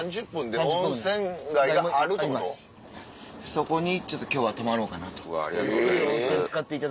そこにちょっと今日は泊まろうかなと。